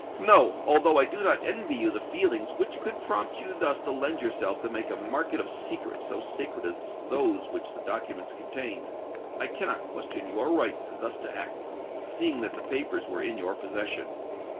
No:—although I do not envy you the feelings which could prompt you thus to lend yourself to make a market of secrets so sacred as those which the documents contain, I cannot question your right thus to act, seeing that the papers were in your possession.